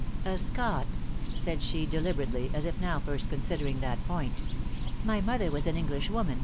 " A Scot!" said she, deliberately, as if now first considering that point. " My mother was an English woman.